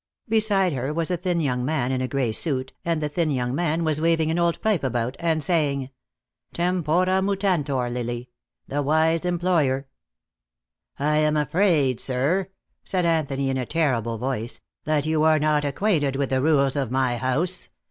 Beside her was a thin young man in a gray suit, and the thin young man was waving an old pipe about, and saying: "Tempora mutantur, Lily. The wise employer " "I am afraid, sir," said Anthony, in a terrible voice, "that you are not acquainted with the rules of my house.